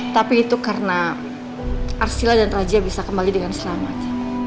tapi itu karena arsila dan raja bisa kembali dengan selamat